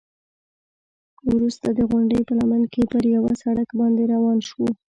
وروسته د غونډۍ په لمن کې پر یوه سړک باندې روان شوو.